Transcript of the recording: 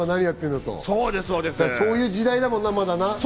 そういう時代だもんな、まだ。